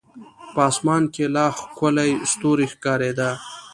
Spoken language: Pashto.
په اسمان کې لا ښکلي ستوري ښکارېده.